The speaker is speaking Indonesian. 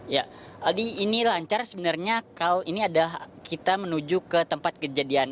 ya aldi ini lancar sebenarnya kalau ini ada kita menuju ke tempat kejadian